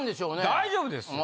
大丈夫ですよ。